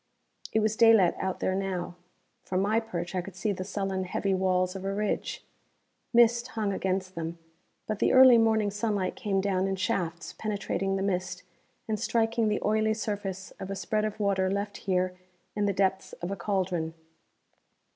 It was daylight out there now. From my perch I could see the sullen heavy walls of a ridge. Mist hung against them, but the early morning sunlight came down in shafts penetrating the mist and striking the oily surface of a spread of water left here in the depths of a cauldron.